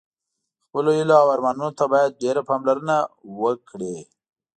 خپلو هیلو او ارمانونو ته باید ډېره پاملرنه وکړه.